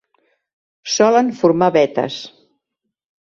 Solen formar vetes.